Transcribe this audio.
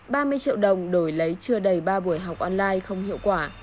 ba mươi triệu đồng đổi lấy chưa đầy ba buổi học online không hiệu quả